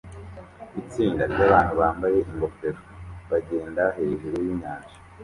Itsinda ryabantu bambaye ingofero bagenda hejuru yinyanja